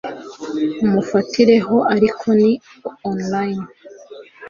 mufatireho ariko ni online